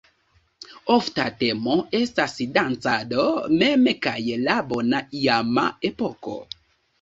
Ofta temo estas dancado mem, kaj la "bona iama epoko".